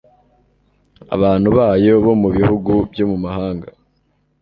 abantu bayo bo mu bihugu byo mu mahanga